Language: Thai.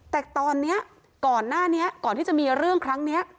แต่ตอนนี้ก่อนหน้านี้ก่อนที่จะมีเรื่องครั้งนี้